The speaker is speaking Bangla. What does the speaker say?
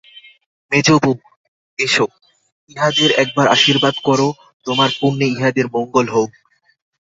মেজোবউ, এসো, ইহাদের একবার আশীর্বাদ করো-তোমার পুণ্যে ইহাদের মঙ্গল হউক।